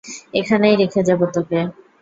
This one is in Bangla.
এখানেই রেখে যাব তোকে।